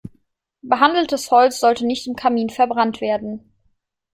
Behandeltes Holz sollte nicht im Kamin verbrannt werden.